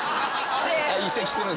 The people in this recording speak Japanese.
移籍するんすね。